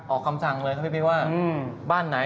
ออกคำสั่งเลยพี่ว่า